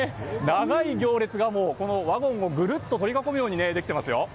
長い行列がワゴンをぐるっと取り囲むようにできていますよ。